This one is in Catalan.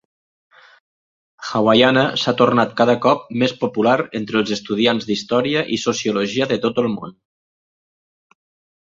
Hawaiiana s'ha tornat cada cop més popular entre els estudiants d'història i sociologia de tot el món.